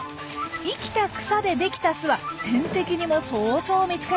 生きた草で出来た巣は天敵にもそうそう見つかりません。